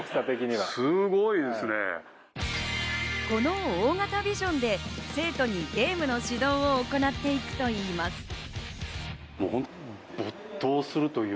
この大型ビジョンで生徒にゲームの指導を行っていくといいます。